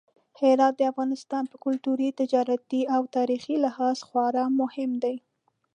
هرات د افغانستان په کلتوري، تجارتي او تاریخي لحاظ خورا مهم دی.